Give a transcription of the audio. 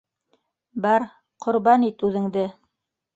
Бар, ҡорбан ит үҙеңде.